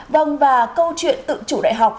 vòng và câu chuyện tự chủ đại học